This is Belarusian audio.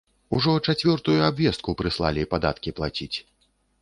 Ужо чацвёртую абвестку прыслалі падаткі плаціць.